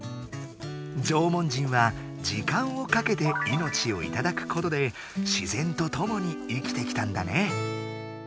縄文人は時間をかけて命をいただくことで自然とともに生きてきたんだね。